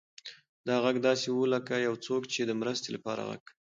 دا غږ داسې و لکه یو څوک چې د مرستې لپاره غږ کوي.